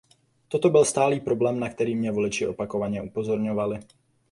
Toto byl stálý problém, na který mě voliči opakovaně upozorňovali.